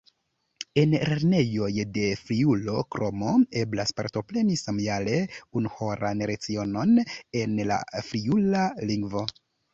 En lernejoj de Friulo kromo eblas partopreni semajne unuhoran lecionon en la friula lingvo.